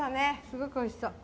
すごくおいしそう。